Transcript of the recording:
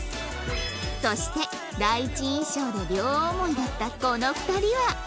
そして第一印象で両思いだったこの２人は